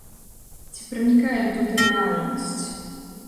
Ці пранікае туды рэальнасць?